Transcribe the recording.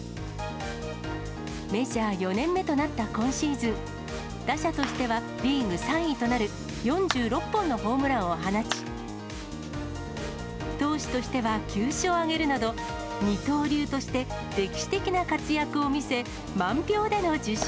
メジャー４年目となった今シーズン、打者としてはリーグ３位となる４６本のホームランを放ち、投手としては９勝を挙げるなど、二刀流として歴史的な活躍を見せ、満票での受賞。